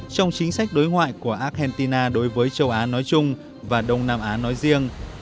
trong chính sách đối ngoại của argentina đối với châu á nói chung và đông nam á nói riêng